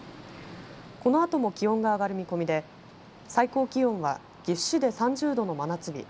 このあとも気温が上がる見込みで最高気温は岐阜市で３０度の真夏日